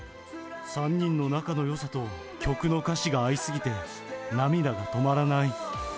３人の仲のよさと、曲の歌詞が合いすぎて、涙が止まらない。